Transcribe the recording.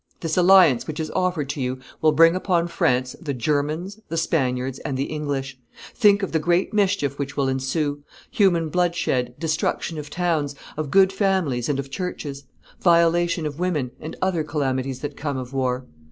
This alliance which is offered to you will bring upon France the Germans, the Spaniards, and the English; think of the great mischief which will ensue human bloodshed, destruction of towns, of good families and of churches, violation of women, and other calamities that come of war.